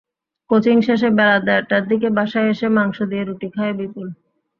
Coaching শেষে বেলা দেড়টার দিকে বাসায় এসে মাংস দিয়ে রুটি খায় বিপুল।